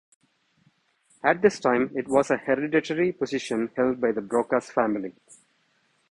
At this time it was a hereditary position held by the Brocas family.